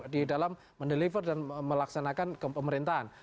di dalam mendeliver dan melaksanakan pemerintahan